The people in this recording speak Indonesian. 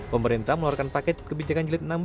pemerintah meluarkan paket kebijakan jilid enam belas